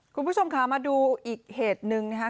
คุณผู้ชมค่ะมาดูอีกเหตุหนึ่งนะคะ